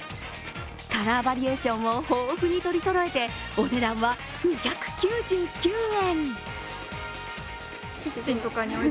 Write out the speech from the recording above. カラーバリエーションを豊富に取りそろえて、お値段は２９９円。